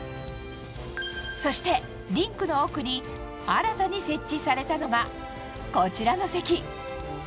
そして、リンクの奥に新たに設置されたのがこちらの席。